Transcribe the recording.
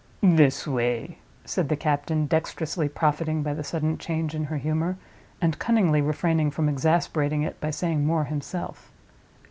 "This way," said the captain, dexterously profiting by the sudden change in her humor, and cunningly refraining from exasperating it by saying more himself.